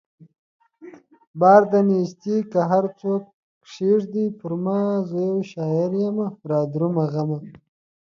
بار د نيستۍ که هر څو کښېږدې پرما زه يو شاعر يمه رادرومه غمه